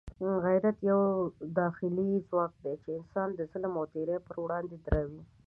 غیرت یو داخلي ځواک دی چې انسان د ظلم او تېري پر وړاندې دروي.